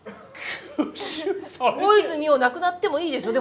大泉洋なくなってもいいでしょ？